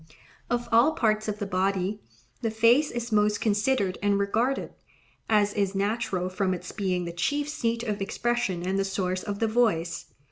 Of all parts of the body, the face is most considered and regarded, as is natural from its being the chief seat of expression and the source of the voice.